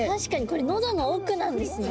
これ、のどの奥なんですね？